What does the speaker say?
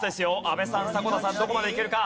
阿部さん迫田さんどこまでいけるか？